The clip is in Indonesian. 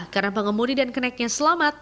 karena pengemudi dan keneknya selamat